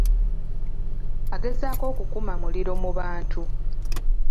Agezaako okukuma muliro mu bantu.